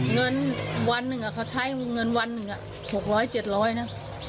เงินวันใช้เงินวันหนึ่ง๖๐๐๗๐๐น่ะ